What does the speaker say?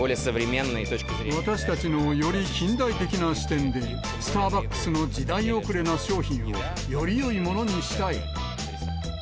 私たちのより近代的な視点で、スターバックスの時代遅れな商品を、よりよいものにしたい。